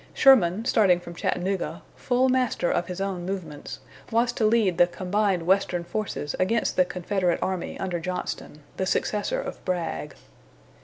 Sherman, starting from Chattanooga, full master of his own movements, was to lead the combined western forces against the Confederate army under Johnston, the successor of Bragg.